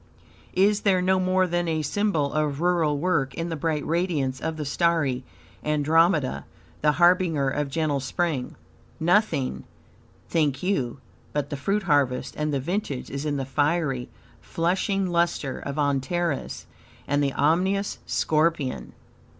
Is there no more than a symbol of rural work in the bright radiance of the starry Andromeda, the harbinger of gentle spring? Nothing, think you, but the fruit harvest and the vintage is in the fiery, flushing luster of Antares and the ominous Scorpion?